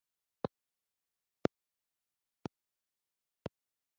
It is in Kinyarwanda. ko izanshoboza kureka ubusambanyi.